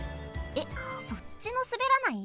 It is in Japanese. えっそっちのすべらない？